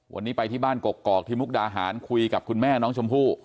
วันนี้ไปที่บ้านกกอกที่มุกดาหารคุยกับคุณแม่น้องชมพู่